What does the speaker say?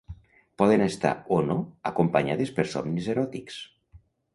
Poden estar, o no, acompanyades per somnis eròtics.